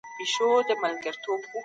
هغه بدلون چې اوږد مهاله وي پرمختيا ده.